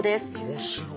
面白い。